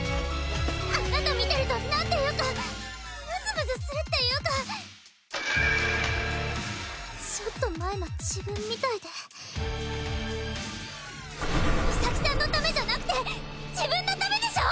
あなた見てると何ていうかムズムズするっていうかちょっと前の自分みたいでミサキさんのためじゃなくて自分のためでしょ！